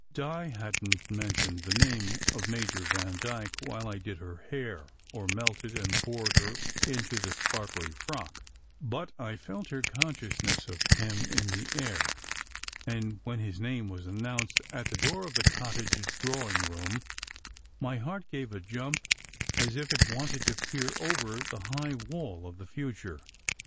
Di hadn t mentioned the name of Major Vandyke while I did her hair, or melted and poured her into the sparkly frock, but I felt her consciousness of him in the air; and when his name was announced at the door of the "cottage" drawing room, my heart gave a jump as if it wanted to peer over the high wall of the future.